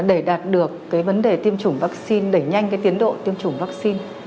để đạt được vấn đề tiêm chủng vaccine đẩy nhanh tiến độ tiêm chủng vaccine